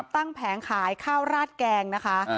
แผงขายข้าวราดแกงนะคะ